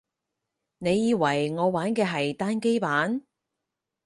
你以為我玩嘅係單機版